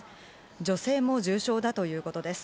女性も重傷だということです。